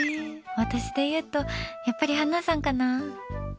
私でいうとやっぱりハナさんかな。